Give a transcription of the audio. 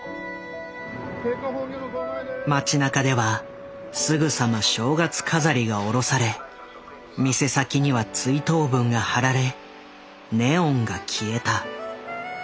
街なかではすぐさま正月飾りがおろされ店先には追悼文がはられネオンが消えた。